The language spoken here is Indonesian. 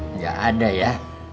enggak ada ya